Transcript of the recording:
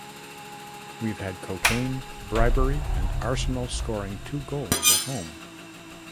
We've had cocaine, bribery and Arsenal scoring two goals at home.